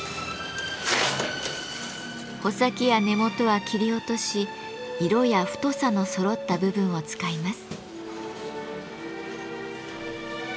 穂先や根元は切り落とし色や太さのそろった部分を使います。